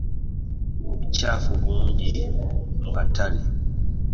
Obucaafu bungi mu katale.